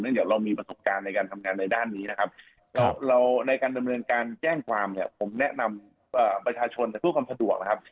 จากเรามีประสบการณ์ในการทำงานในด้านนี้นะครับเราในการดำเนินการแจ้งความเนี่ยผมแนะนำประชาชนแต่เพื่อความสะดวกนะครับ